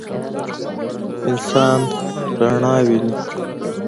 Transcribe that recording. انسان رڼا ویني.